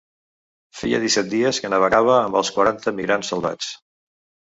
Feia disset dies que navegava amb els quaranta migrants salvats.